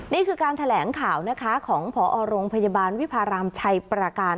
นี่คือการแถลงข่าวของพรรวิพรามชัยประการ